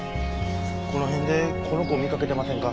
この辺でこの子見かけてませんか？